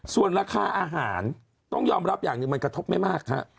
ส่วนราคาอาหารต้องยอมรับอย่างหนึ่งมันกระทบไม่มากฮะ